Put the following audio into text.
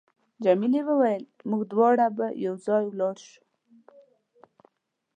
جميلې وويل: موږ دواړه به یو ځای ولاړ شو.